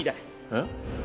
えっ？